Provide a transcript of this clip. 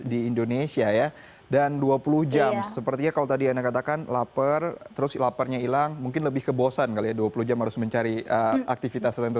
di indonesia ya dan dua puluh jam sepertinya kalau tadi anda katakan lapar terus laparnya hilang mungkin lebih kebosan kali ya dua puluh jam harus mencari aktivitas tertentu